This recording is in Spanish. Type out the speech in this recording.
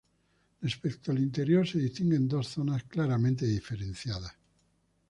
Respecto al interior se distinguen dos zonas claramente diferenciables.